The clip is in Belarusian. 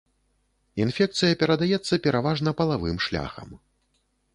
Інфекцыя перадаецца пераважна палавым шляхам.